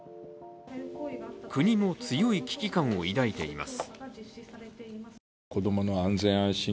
国も強い危機感を抱いています。